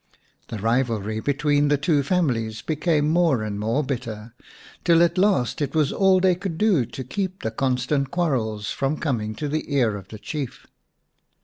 The rivalry between the two families became more and more bitter, till at last it was all they could do to keep the constant quarrels from coming to the ear of the Chief.